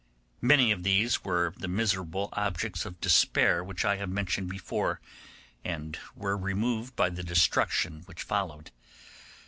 Many of these were the miserable objects of despair which I have mentioned before, and were removed by the destruction which followed.